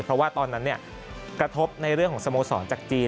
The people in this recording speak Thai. เพราะว่าตอนนั้นกระทบในเรื่องของสโมสรจากจีน